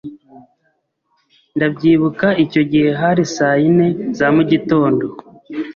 Ndabyibuka icyo gihe hari saa yine za mugitondo